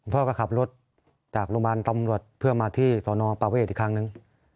พ่อก็ขับรถจากโรงพยาบาลตำรวจเพื่อมาที่สนประเวทอีกครั้งหนึ่ง